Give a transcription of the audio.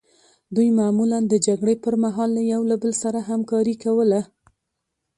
دوی معمولا د جګړې پرمهال له یو بل سره همکاري کوله